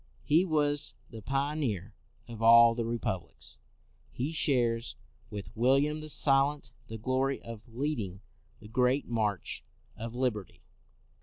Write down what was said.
He was the pioneer of all the re publics. He shares with William the Silent the glory of leading the great march of liberty.